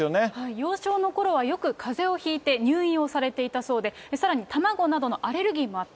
幼少のころはよくかぜをひいて、入院をされていたそうで、さらに卵などのアレルギーもあった。